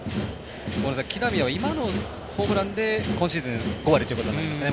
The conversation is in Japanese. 木浪は今のホームランで今シーズン満塁５割ということになりました。